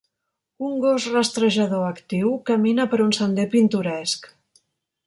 Un gos rastrejador actiu camina per un sender pintoresc.